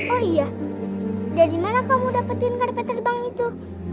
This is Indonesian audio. oh iya jadi mana kamu dapetin karpet terbang itu